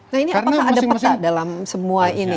nah ini apakah ada peta dalam semua ini